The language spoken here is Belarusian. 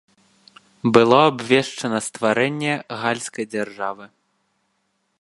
Было абвешчана стварэнне гальскай дзяржавы.